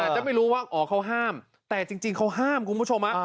จะไม่รู้ว่าอ๋อเขาห้ามแต่จริงเขาห้ามคุณผู้ชม